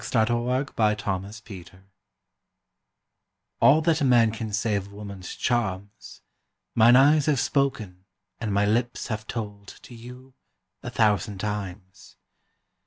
A BACHELOR TO A MARRIED FLIRT ALL that a man can say of woman's charms, Mine eyes have spoken and my lips have told To you a thousand times.